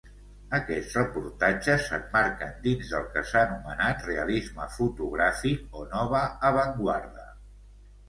Aquests reportatges s'emmarquen dins del que s'ha anomenat realisme fotogràfic o nova avantguarda.